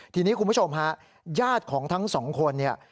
ทีนี้คุณผู้ชมฮะญาติของทั้งสองคนเนี่ย